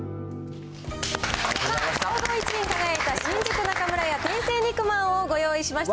総合１位に輝いた新宿中村屋、天成肉饅をご用意しました。